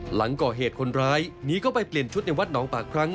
หลังก่อเหตุคนร้ายหนีเข้าไปเปลี่ยนชุดในวัดหนองปากพลั้ง